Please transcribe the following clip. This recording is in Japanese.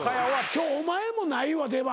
今日お前もないわ出番。